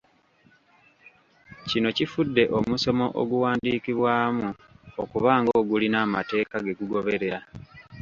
Kino kifudde omusono oguwandiikibwamu okuba ng’ogulina amateeka ge gugoberera.